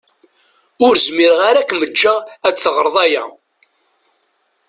Ur zmireɣ ara ad kem-ǧǧeɣ ad teɣreḍ aya.